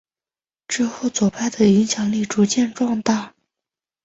之后左派的影响力逐渐壮大。